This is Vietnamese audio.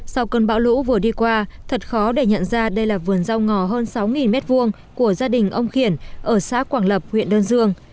sau cơn bão lũ vừa đi qua thật khó để nhận ra đây là vườn rau ngò hơn sáu m hai của gia đình ông khiển ở xã quảng lập huyện đơn dương